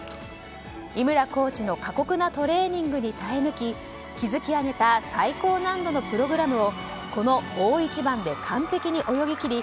井村コーチの過酷なトレーニングに耐え抜き築き上げた最高難度のプログラムをこの大一番で完璧に泳ぎ切り